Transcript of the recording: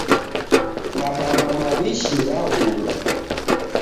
Mabamba mawishi ghaghulwa